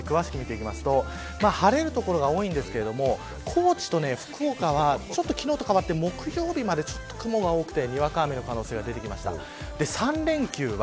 この先の予報各地、詳しく見ていくと晴れる所が多いですが高知と福岡は、昨日と変わって木曜日までちょっと雲が多くてにわか雨の可能性が出てきました。